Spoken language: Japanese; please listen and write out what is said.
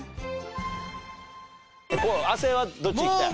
亜生はどっちいきたい？